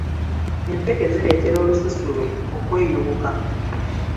Empeke zireetera olususu lwe okweyubuka.